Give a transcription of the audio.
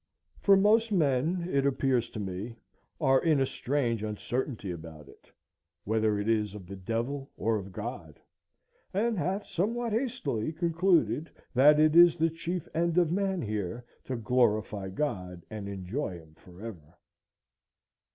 For most men, it appears to me, are in a strange uncertainty about it, whether it is of the devil or of God, and have somewhat hastily concluded that it is the chief end of man here to "glorify God and enjoy him forever."